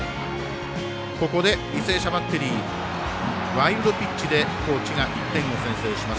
ここで、履正社バッテリーワイルドピッチで高知が１点を先制します。